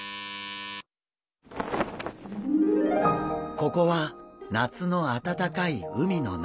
ここは夏のあたたかい海の中。